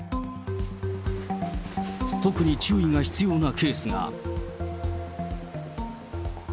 特に注意が必要なケースが。